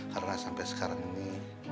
karena sampai sekarang ini